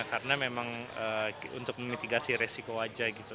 karena memang untuk memitigasi resiko aja gitu